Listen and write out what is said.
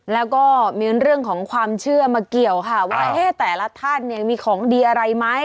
แล้วก็มีเรื่องของความเชื่อมาเกี่ยวค่ะว่าแต่ละท่านเนี่ยมีของดีอะไรไหม